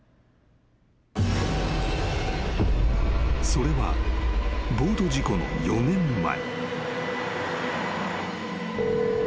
［それはボート事故の４年前］